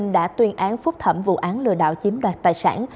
đã tuyên án phúc thẩm vụ án lừa đảo chiếm đoạt tài sản